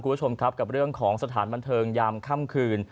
คุณผู้ชมครับกับเรื่องของสถานบันเทิงยามค่ำคืน